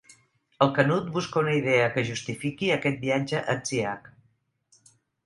El Canut busca una idea que justifiqui aquest viatge atziac.